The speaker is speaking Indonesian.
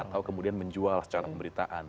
atau kemudian menjual secara pemberitaan